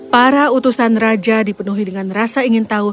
para utusan raja dipenuhi dengan kebenaran